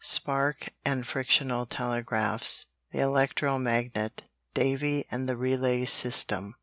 Spark and Frictional Telegraphs The Electro magnet Davy and the Relay System.